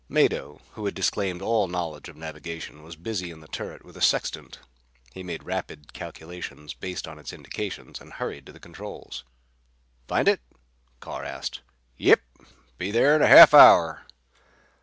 Mado, who had disclaimed all knowledge of navigation, was busy in the turret with a sextant. He made rapid calculations based on its indications and hurried to the controls. "Find it?" Carr asked. "Yep. Be there in a half hour."